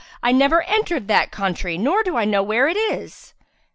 I never entered that country nor do I know where it is!"